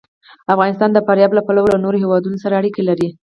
افغانستان د فاریاب له پلوه له نورو هېوادونو سره اړیکې لري.